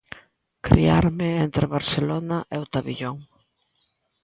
Criarme entre Barcelona e O Tabillón.